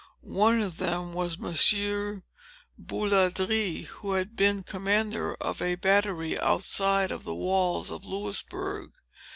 One of them was Monsieur Bouladrie, who had been commander of a battery, outside of the walls of Louisbourg.